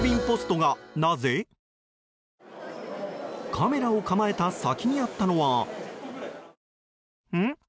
カメラを構えた先にあったのはん？